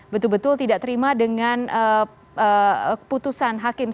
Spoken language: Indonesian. betul betul tidak terima dengan putusan hakim